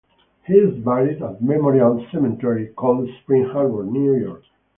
He is buried at Memorial Cemetery, Cold Spring Harbor, New York.